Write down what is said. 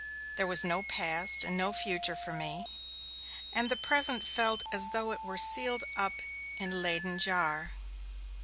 There was no past and no future for me, and the present felt as though it were sealed up in a Leyden jar.